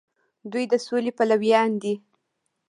دوی د سولې پلویان دي.